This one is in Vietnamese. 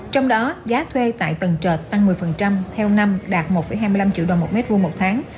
trong đó giá thuê tại tầng trệt tăng một mươi theo năm đạt một hai mươi năm triệu đồng một m hai một tháng